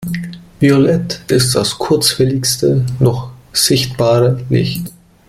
Violett ist das kurzwelligste noch sichtbare Licht.